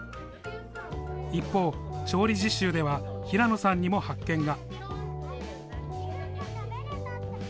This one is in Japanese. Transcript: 一方、調理実習では平野さんにも発見が。